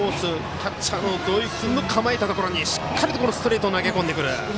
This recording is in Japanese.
キャッチャー土井君の構えたところにしっかりとストレートを投げ込んでくる。